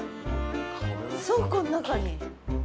倉庫の中に。